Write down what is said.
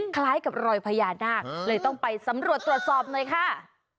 คล้ายกับรอยพญานาคเลยต้องไปสำรวจตรวจสอบหน่อยค่ะ